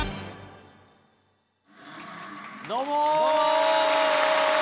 どうも！